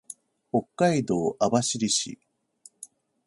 北海道網走市